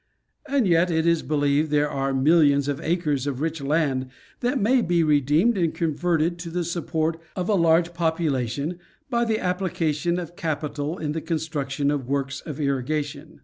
And yet, it is believed there are millions of acres of rich land that may be redeemed and converted to the support of a large population, by the application of capital in the construction of works of irrigation.